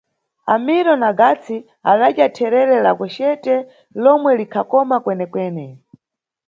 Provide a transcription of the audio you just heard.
Amiro na Gatsi adadya therere la kwecete lomwe likhakoma kwenekwene.